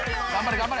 頑張れ。